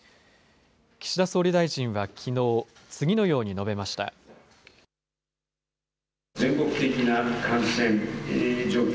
岸田総理大臣はきのう、次のように述べました。